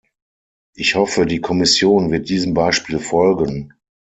Ich hoffe, die Kommission wird diesem Beispiel folgen.